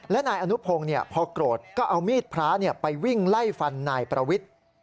และนายอนุพงศ์พอโกรธก็เอามีดพระไปวิ่งไล่ฟันนายประวิทธิ์